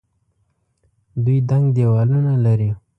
دوی دنګ دیوالونه لري.